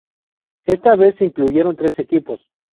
Esta vez se incluyeron tres equipos.